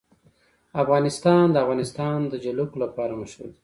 افغانستان د د افغانستان جلکو لپاره مشهور دی.